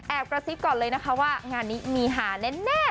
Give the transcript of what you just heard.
กระซิบก่อนเลยนะคะว่างานนี้มีหาแน่